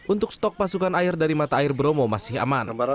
untuk stok pasukan air dari mata air bromo masih aman